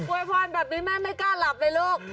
วยพรแบบนี้แม่ไม่กล้าหลับเลยลูก